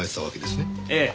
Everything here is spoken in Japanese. ええ。